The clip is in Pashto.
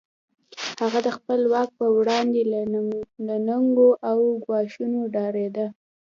هغه د خپل واک پر وړاندې له ننګونو او ګواښونو ډارېده.